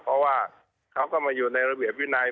เพราะว่าเขาก็มาอยู่ในระเบียบวินัย